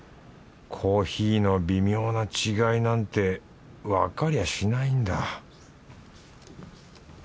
コーヒーの微妙な違いなんてわかりゃしないんだ